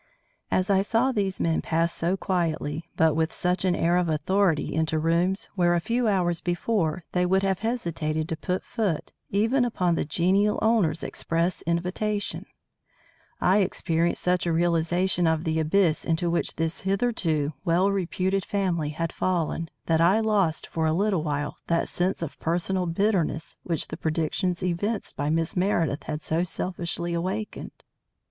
As I saw these men pass so quietly but with such an air of authority into rooms where a few hours before they would have hesitated to put foot even upon the genial owner's express invitation, I experienced such a realisation of the abyss into which this hitherto well reputed family had fallen that I lost for a little while that sense of personal bitterness which the predictions evinced by Miss Meredith had so selfishly awakened.